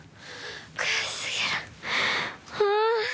悔し過ぎる。